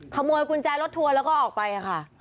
ขโมยกุญแจรถทัวร์แล้วก็ออกไปค่ะ